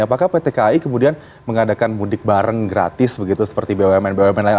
apakah pt kai kemudian mengadakan mudik bareng gratis begitu seperti bumn bumn lain